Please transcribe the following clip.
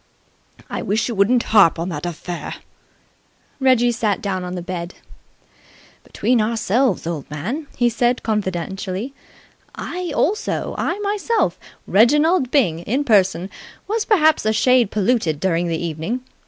"I wish you wouldn't harp on that affair!" Reggie sat down on the bed. "Between ourselves, old man," he said confidentially, "I also I myself Reginald Byng, in person was perhaps a shade polluted during the evening.